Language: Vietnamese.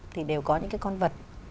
thì đều có những cái con vật